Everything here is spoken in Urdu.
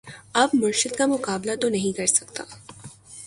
اب مرشد کا مقابلہ تو نہیں کر سکتا